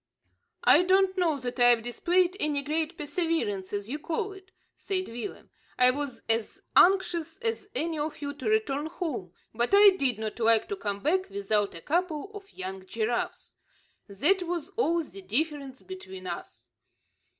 "I don't know that I've displayed any great perseverance as you call it," said Willem. "I was as anxious as any of you to return home, but I did not like to come back without a couple of young giraffes. That was all the difference between us."